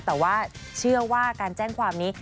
แต่ว่าเชื่อว่าการแจ้งความนี้